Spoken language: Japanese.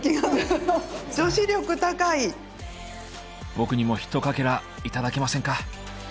僕にもひとかけら頂けませんか。